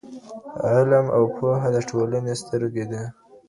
علم او پوهه د ټولني سترګې دي.